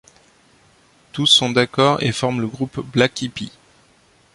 Tous sont d'accord et forment le groupe Black Hippy.